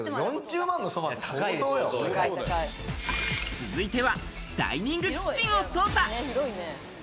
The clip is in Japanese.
続いてはダイニングキッチンを捜査。